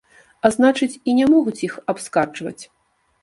А значыць і не могуць іх абскарджваць.